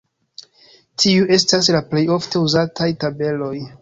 Tiuj estas la plej ofte uzataj tabeloj.